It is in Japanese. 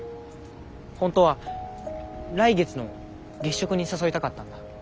本当は来月の月食に誘いたかったんだ。